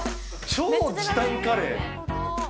超時短カレー！